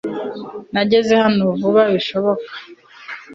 nageze hano vuba bishoboka